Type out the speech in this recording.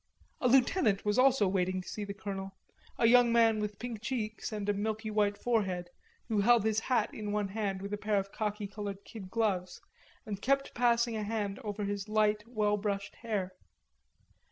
A lieutenant was also waiting to see the colonel, a young man with pink cheeks and a milky white forehead, who held his hat in one hand with a pair of khaki colored kid gloves, and kept passing a hand over his light well brushed hair.